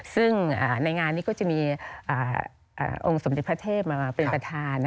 ซึ่งในงานนี้ก็จะมีองค์สมเด็จพระเทพมาเป็นประธาน